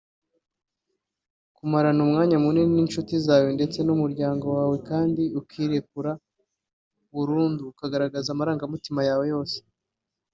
kumarana umwanya munini n’inshuti zawe ndetse n’umuryango wawe kandi ukirekura burundu ukagaragaza amarangamutima yawe yose